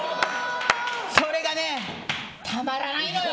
それがたまらないのよ。